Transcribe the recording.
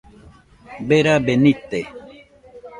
Berabe nite